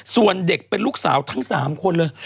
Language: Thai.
ส่วนเด็กเป็นลูกสาวทั้ง๓คนเลย